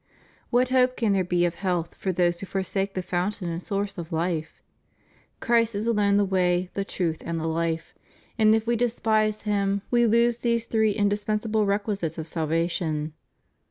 What hope can there be of health for those who forsake the fountain and source of life? Christ is alone the way, the truth, and the life,* and if we despise Him, we lose these three indispensable requisites of salvation.